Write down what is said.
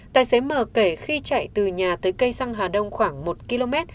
tài xế mở kể khi chạy từ nhà tới cây xăng hà đông khoảng một km